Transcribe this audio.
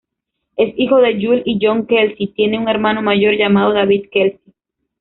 Es hijo de Julie y John Kelsey, tiene un hermano mayor llamado David Kelsey.